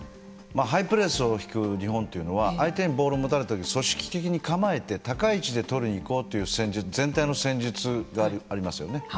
ハイプレスを引く日本というのは相手にボールを持たれた時に組織的に構えて高い位置で取りに行こうという全体の戦術がありますよね。